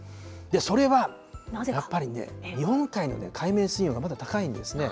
それは、やっぱりね、日本海の海面水温が高いんですね。